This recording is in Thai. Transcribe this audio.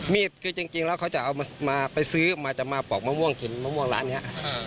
คือจริงแล้วเขาจะเอามาซื้อมาจะมาปอกมะม่วงกินมะม่วงร้านนี้